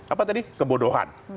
apa tadi kebodohan